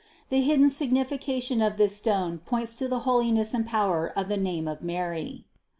The hidden signification of this stone points to the holiness and power of the name of Mary.